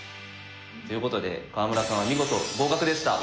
ということで川村さんは見事合格でした。